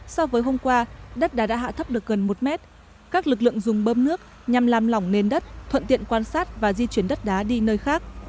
so với hôm qua đất đã hạ thấp được gần một mét các lực lượng dùng bơm nước nhằm làm lỏng nền đất thuận tiện quan sát và di chuyển đất đá đi nơi khác